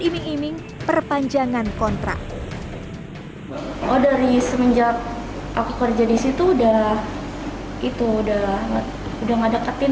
iming iming perpanjangan kontrak oh dari semenjak aku kerja di situ udah itu udah udah gak deketin